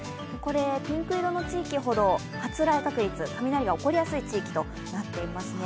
ピンク色の地域ほど発雷確率、雷が起こりやすい地域となっています。